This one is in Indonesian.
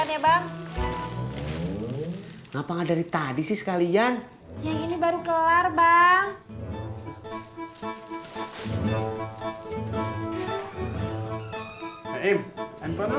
sembilan ya bang ngapain dari tadi sih sekalian ini baru kelar bang